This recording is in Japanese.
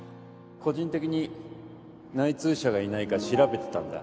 個人的に内通者がいないか調べてたんだ